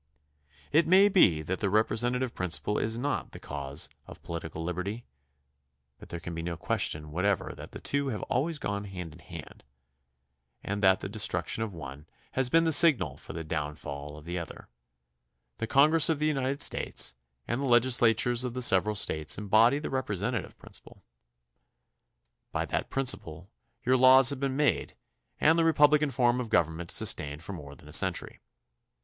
It may be that the rep resentative principle is not the cause of political liberty, but there can be no question whatever that the two have always gone hand in hand, and that the destruc tion of one has been the signal for the downfall of the THE CONSTITUTION AND ITS MAKERS 67 other. The Congress of the United States and the legislatures of the several States embody the repre sentative principle. By that principle your laws have been made and the republican form of government sustained for more than a century.